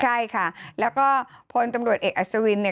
ใช่ค่ะแล้วก็พลตำรวจเอกอัศวินเนี่ย